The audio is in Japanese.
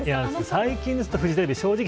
最近のフジテレビ